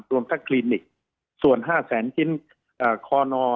รวมทั้งคลินิกส่วน๕แสนชิ้นคอนอ